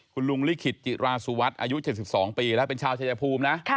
คุณลุงลิขิตจิราสุวัสดิ์อายุ๗๒ปีแล้วเป็นชาวชายภูมินะ